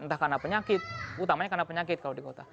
entah karena penyakit utamanya karena penyakit kalau di kota